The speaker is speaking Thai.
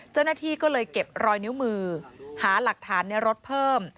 เจ้าหน้าที่ก็เลยเก็บรอยนิ้วมือหาหลักฐานในรถเพิ่ม